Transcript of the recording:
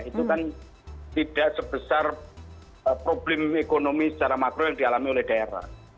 itu kan tidak sebesar problem ekonomi secara makro yang dialami oleh daerah